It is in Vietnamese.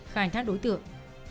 khai thác đối tượng